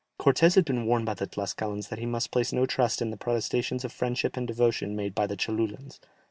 Cortès had been warned by the Tlascalans that he must place no trust in the protestations of friendship and devotion made by the Cholulans.